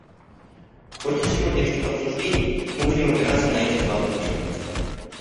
В ходе сегодняшних обсуждений мы будем опираться на эти два документа.